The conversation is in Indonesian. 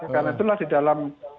karena itulah di dalam